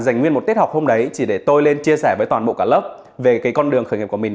dành nguyên một tiết học hôm đấy chỉ để tôi lên chia sẻ với toàn bộ cả lớp về cái con đường khởi nghiệp của mình